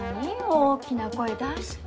大きな声出して。